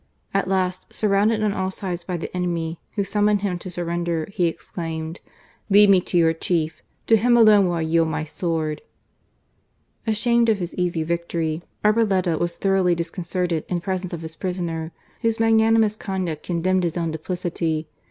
At last, surrounded on all sides by the enemy, who summoned him to surrender, he exclaimed: "Lead me to your chief. To him alone will I yield my sword." Ashamed of his easy victory, Arboleda was, thoroughly disconcerted in presence of his prisoner, whose magnanimous conduct condemned his own duplicity.